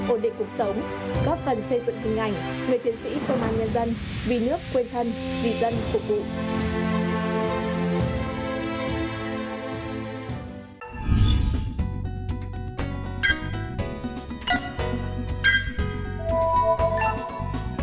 ổn định cuộc sống góp phần xây dựng hình ảnh người chiến sĩ công an nhân dân vì nước quên thân vì dân phục vụ